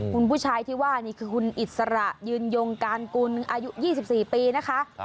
คุณผู้ชายที่ว่านี่คือคุณอิสระยืนยงการกุลอายุ๒๔ปีนะคะ